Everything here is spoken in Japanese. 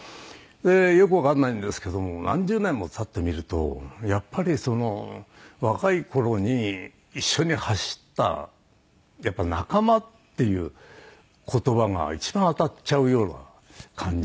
でよくわかんないんですけども何十年も経ってみるとやっぱりその若い頃に一緒に走ったやっぱり「仲間」っていう言葉が一番当たっちゃうような感じで。